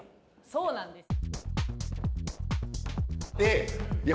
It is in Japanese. そうなんです。